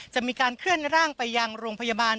จะมีการเคลื่อนร่างไปยังโรงพยาบาล